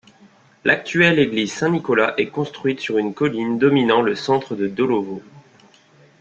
L'actuelle église Saint-Nicolas est construite sur une colline dominant le centre de Dolovo.